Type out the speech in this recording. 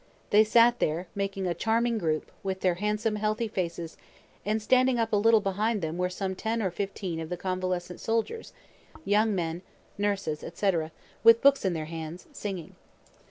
They sat there, making a charming group, with their handsome, healthy faces, and standing up a little behind them were some ten or fifteen of the convalescent soldiers, young men, nurses, &c., with books in their hands, singing.